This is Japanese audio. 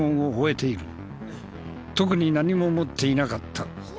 特に何も持っていなかった。